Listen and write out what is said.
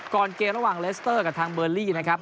ก่อนเกมระหว่างเลสเตอร์กับทางเบอร์ลี่นะครับ